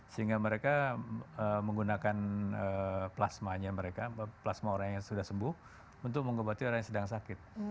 sehingga mereka menggunakan plasmanya mereka plasma orang yang sudah sembuh untuk mengobati orang yang sedang sakit